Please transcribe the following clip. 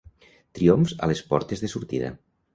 Triomfs a les portes de sortida.